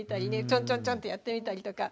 ちょんちょんちょんってやってみたりとか。